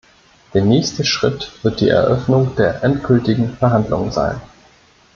Der nächste Schritt wird die Eröffnung der endgültigen Verhandlungen sein.